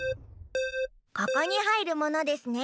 ここにはいるものですね。